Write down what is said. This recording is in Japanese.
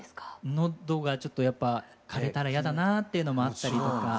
喉がちょっとやっぱかれたら嫌だなぁっていうのもあったりとか。